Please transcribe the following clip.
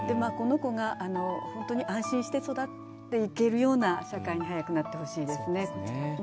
この子が本当に安心して育っていけるような世界になってほしいですね。